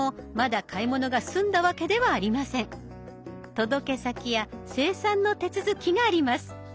届け先や精算の手続きがあります。